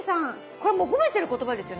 これもう褒めてる言葉ですよね。